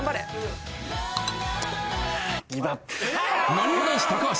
なにわ男子・高橋